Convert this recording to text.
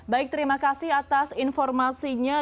baik terima kasih atas informasinya